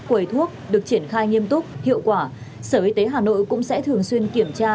quầy thuốc được triển khai nghiêm túc hiệu quả sở y tế hà nội cũng sẽ thường xuyên kiểm tra